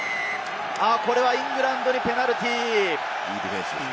これはイングランドにペナルティー。